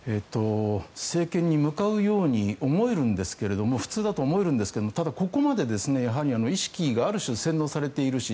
政権に向かうように普通だと思えるんですがただ、ここまで意識がある種、洗脳されているし